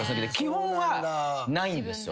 基本はないんですよ。